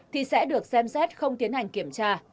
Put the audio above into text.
thì sẽ được xem xét không tiến hành kiểm tra